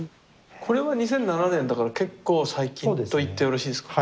これは２００７年だから結構最近と言ってよろしいですか？